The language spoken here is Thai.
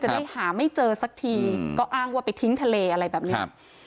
ได้หาไม่เจอสักทีก็อ้างว่าไปทิ้งทะเลอะไรแบบนี้